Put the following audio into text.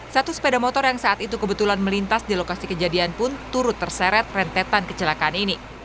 satu sepeda motor yang saat itu kebetulan melintas di lokasi kejadian pun turut terseret rentetan kecelakaan ini